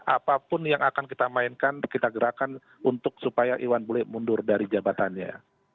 apapun yang akan kita mainkan kita gerakan untuk supaya iwan bule mundur dari jabatannya